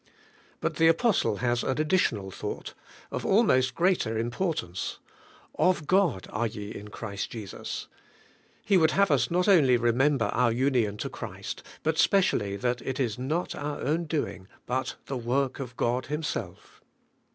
But the apostle has an additional thought, of almost greater importance: *0f God are ye in Christ Jesus.' He would have us not only remember our union to Christ, but specially that it is not our own doing, but the work of God Himself.